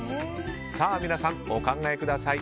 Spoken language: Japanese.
皆さん、お考えください。